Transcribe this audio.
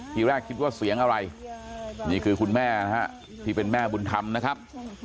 ทีแรกคิดว่าเสียงอะไรนี่คือคุณแม่นะฮะที่เป็นแม่บุญธรรมนะครับ